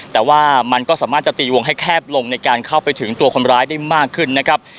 แต่ว่ามันก็สามารถจะตีวงให้แคบลงในการเข้าไปถึงตัวคนร้ายได้มากขึ้นนะครับ